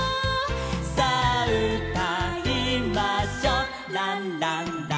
「さあうたいましょうランランラン」